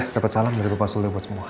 oh iya dapet salam dari bapak suri buat semua